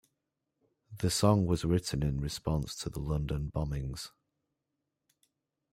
The song was written in response to the London bombings.